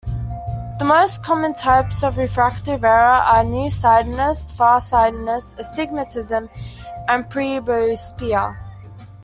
The most common types of refractive error are near-sightedness, far-sightedness, astigmatism, and presbyopia.